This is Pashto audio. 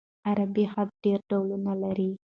عربي خط ډېر ډولونه لري.